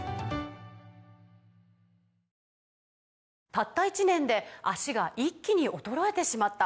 「たった１年で脚が一気に衰えてしまった」